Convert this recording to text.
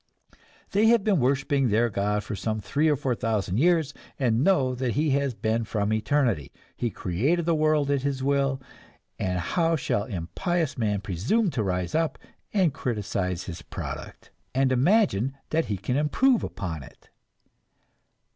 They have been worshipping their God for some three or four thousand years, and know that He has been from eternity; He created the world at His will, and how shall impious man presume to rise up and criticize His product, and imagine that he can improve upon it?